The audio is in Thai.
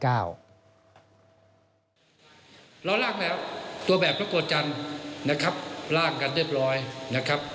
เราลากแล้วตัวแบบพระโกรธจันทร์นะครับร่างกันเรียบร้อยนะครับ